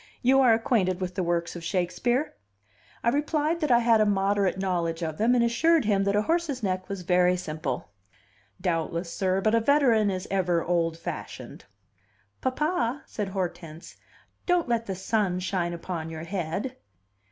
"You are acquainted with the works of Shakespeare?" I replied that I had a moderate knowledge of them, and assured him that a horse's neck was very simple. "Doubtless, sir; but a veteran is ever old fashioned." "Papa," said Hortense, "don't let the sun shine upon your head."